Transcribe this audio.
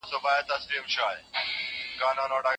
چې زما په لورې بيا د دې نجلۍ قدم راغی